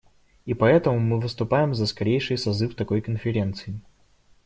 И поэтому мы выступаем за скорейший созыв такой конференции.